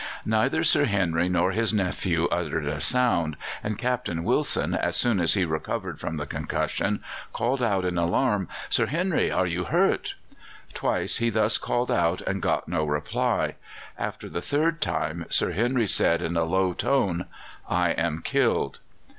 Neither Sir Henry nor his nephew uttered a sound, and Captain Wilson, as soon as he recovered from the concussion, called out in alarm: "Sir Henry, are you hurt?" Twice he thus called out and got no reply. After the third time Sir Henry said in a low tone: "I am killed."